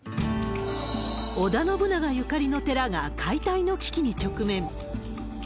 織田信長ゆかりの寺が解体の危機に直面。